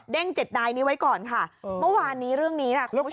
๗นายนี้ไว้ก่อนค่ะเมื่อวานนี้เรื่องนี้นะคุณผู้ชม